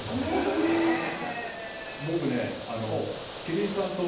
僕ね。